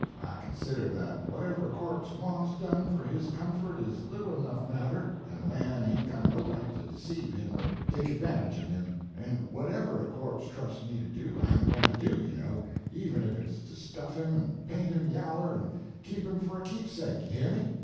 I consider that whatever a corpse wants done for his comfort is little enough matter, and a man hain't got no right to deceive him or take advantage of him; and whatever a corpse trusts me to do I'm a going to do, you know, even if it's to stuff him and paint him yaller and keep him for a keepsake you hear me!"